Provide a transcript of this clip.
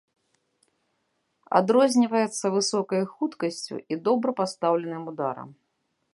Адрозніваецца высокай хуткасцю і добра пастаўленым ударам.